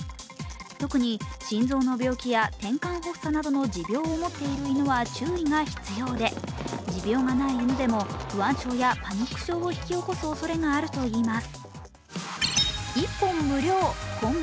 特に心臓の病気やてんかん発作などの持病を持っている犬は注意が必要で持病がない犬でも不安症やパニック症を引き起こすおそれがあるといいます。